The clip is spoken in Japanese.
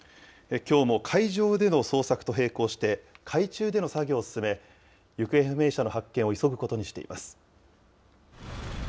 きょうも海上での捜索と並行して、海中での作業を進め、行方不明者の発見を急ぐことにしています。